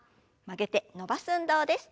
曲げて伸ばす運動です。